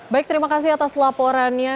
baik terima kasih atas laporannya